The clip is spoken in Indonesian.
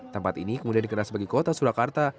tempat ini kemudian dikenal sebagai kota surakarta